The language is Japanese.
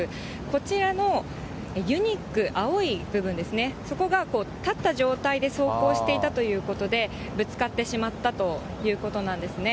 こちらのユニック、青い部分ですね、そこが立った状態で走行していたということで、ぶつかってしまったということなんですね。